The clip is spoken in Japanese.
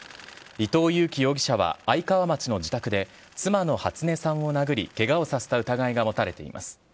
伊藤裕樹容疑者は愛川町の自宅で、妻の初音さんを殴り、けがをさせた疑いが持たれています。